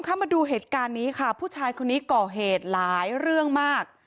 มาดูเหตุการณ์นี้ค่ะผู้ชายคนนี้ก่อเหตุหลายเรื่องมาก